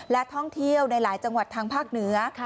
และท่องเที่ยวในหลายจังหวัดทางภาคเหนือ